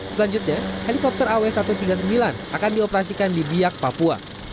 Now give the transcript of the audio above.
selanjutnya helikopter aw satu ratus tiga puluh sembilan akan dioperasikan di biak papua